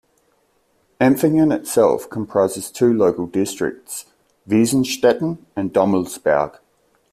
Empfingen itself comprises two local districts, Wiesenstetten and Dommelsberg.